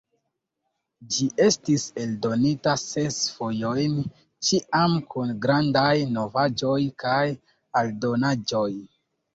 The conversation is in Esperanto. Ĝi estis eldonita ses fojojn, ĉiam kun grandaj novaĵoj kaj aldonaĵoj.